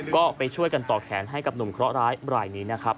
ก็ไปช่วยกันต่อแขนให้กับหนุ่มเคราะหร้ายบรายนี้นะครับ